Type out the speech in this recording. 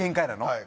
はい。